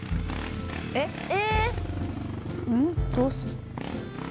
えっ？